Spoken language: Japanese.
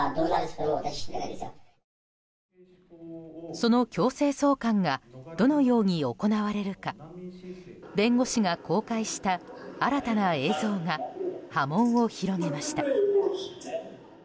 その強制送還がどのように行われるか弁護士が公開した新たな映像が波紋を広げました。